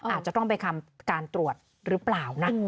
อาจจะต้องไปทำการตรวจหรือเปล่านะ